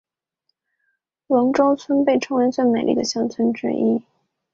龙川村被称为最美丽的乡村之一。